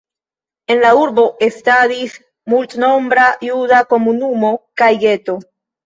En la urbo estadis multnombra juda komunumo kaj geto.